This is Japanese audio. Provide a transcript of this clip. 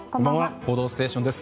「報道ステーション」です。